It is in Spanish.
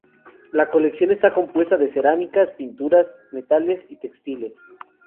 La colección esta compuesta de cerámicas, pinturas, metales y textiles.